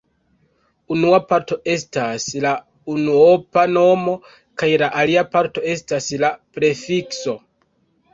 Unu parto estas la unuopa nomo kaj la alia parto estas la prefikso.